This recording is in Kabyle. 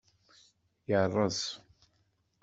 Yeṛṛeẓ.